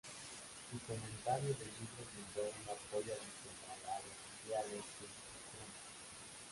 Su comentario del libro brindó un apoyo adicional a los ideales confucianos.